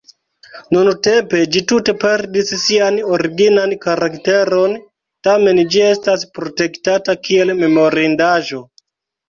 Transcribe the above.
Nuntempe ĝi tute perdis sian originan karakteron, tamen ĝi estas protektata kiel memorindaĵo.